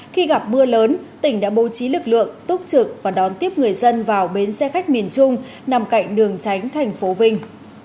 khi gặp mưa lớn tỉnh đã bố trí lực lượng túc trực và đón tiếp người dân vào bến xe khách miền trung nằm cạnh đường tránh thành phố vinh